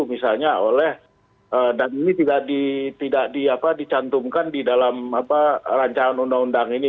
misalnya oleh dan ini tidak dicantumkan di dalam rancangan undang undang ini